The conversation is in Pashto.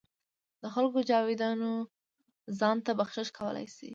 د خلکو جایدادونه ځان ته بخشش کولای شي.